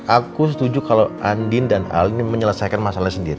aku setuju kalau andin dan al ini menyelesaikan masalah sendiri